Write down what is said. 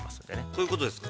◆こういうことですか。